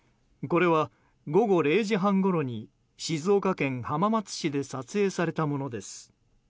これは午後０時半ごろに静岡県浜松市で撮影されたものです。